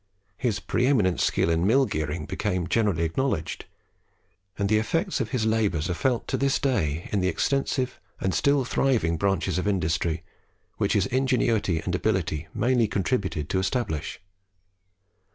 His pre eminent skill in mill gearing became generally acknowledged, and the effects of his labours are felt to this day in the extensive and still thriving branches of industry which his ingenuity and ability mainly contributed to establish.